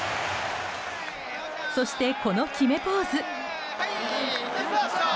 そして、この決めポーズ。